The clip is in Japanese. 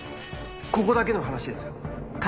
ここだけの話ですよ。